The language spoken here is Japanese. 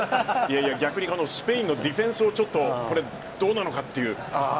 逆にスペインのディフェンスをちょっとどうなのかという。